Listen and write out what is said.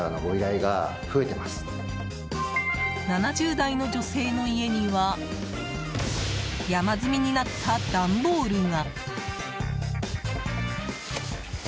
７０代の女性の家には山積みになったダンボールが。